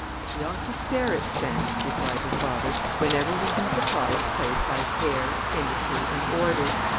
"We ought to spare expense," replied her father, "whenever we can supply its place by care, industry, and order.